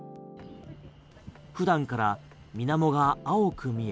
普段から水面が青く見え